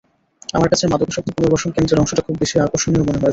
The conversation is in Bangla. আমার কাছে মাদকাসক্ত পুনর্বাসন কেন্দ্রের অংশটা খুব বেশি আকর্ষণীয় মনে হয়েছে।